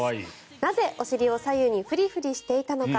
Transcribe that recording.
なぜお尻を左右にフリフリしていたのか。